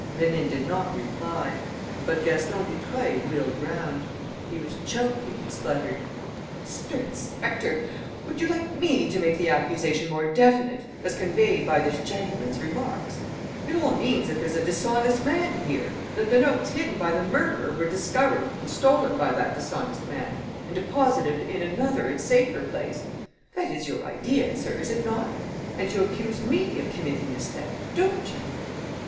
Rénine did not reply. But Gaston Dutreuil wheeled round. He was choking and spluttered: "Mr. Inspector, would you like me to make the accusation more definite, as conveyed by this gentleman's remarks? It all means that there's a dishonest man here, that the notes hidden by the murderer were discovered and stolen by that dishonest man and deposited in another and safer place. That is your idea, sir, is it not? And you accuse me of committing this theft don't you?"